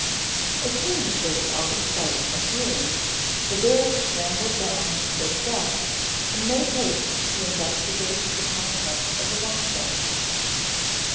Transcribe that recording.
As soon as they were out of sight and hearing, the bears scrambled down from their shelf and made haste to investigate the contents of the lunch baskets.